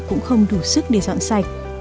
cũng không đủ sức để dọn sạch